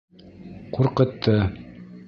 Ҡурҡытты!